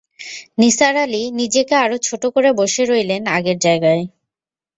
নিসার আলি নিজেকে আরো ছোট করে বসে রইলেন আগের জায়গায়।